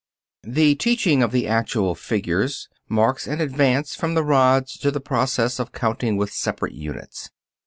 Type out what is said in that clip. The teaching of the actual figures marks an advance from the rods to the process of counting with separate units.